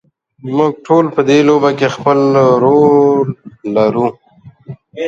موږ ټول په دې لوبه کې خپل رول لرو.